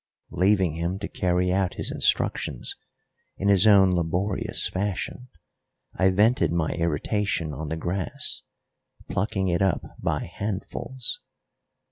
Leaving him to carry out his instructions in his own laborious fashion, I vented my irritation on the grass, plucking it up by handfuls.